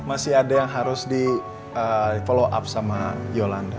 masih ada yang harus di follow up sama yolanda